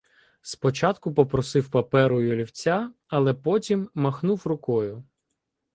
Спочатку попросив паперу й олівця, але потім махнув рукою.